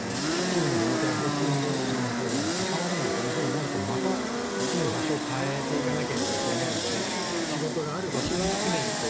引退をしたチームでセカンドキャリアに関われないというふうになるとまた住む場所を変えていかなければいけないので。